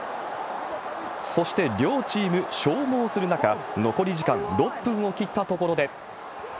そして両チーム、消耗する中、残り時間６分を切ったところで。